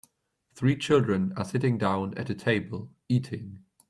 Three children are sitting down at a table eating.